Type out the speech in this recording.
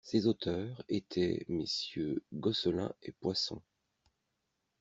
Ses auteurs étaient MMonsieur Gosselin et Poisson.